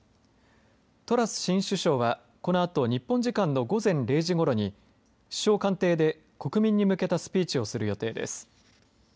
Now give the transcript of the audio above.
トラス新首相はこのあと日本時間の午前０時ごろに首相官邸で国民に向けたスピーチをする予定です。